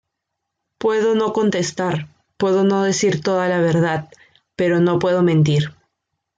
Puedo no contestar, puedo no decir toda la verdad, pero no puedo mentir".